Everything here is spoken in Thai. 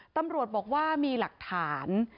ตำรวจบอกว่ามีหลักฐาน